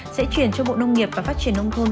sẽ chuyển cho bộ nông nghiệp và phát triển nông thôn